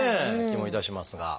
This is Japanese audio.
気もいたしますが。